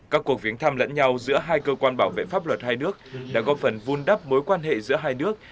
các cuộc viếng thăm lẫn nhau giữa hai cơ quan bảo vệ pháp luật hai nước đã góp phần vun đắp mối quan hệ giữa hai nước